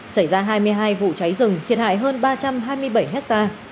xảy ra hai mươi hai vụ cháy rừng thiệt hại hơn ba trăm hai mươi bảy hectare